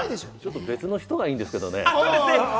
別の人がいいんですけどね。